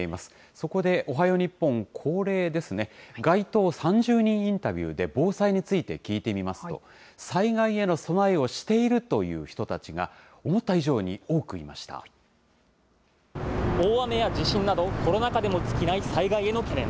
そこでおはよう日本、恒例ですね、街頭３０人インタビューで防災について聞いてみますと、災害への備えをしているという人たちが、大雨や地震など、コロナ禍でも尽きない災害への懸念。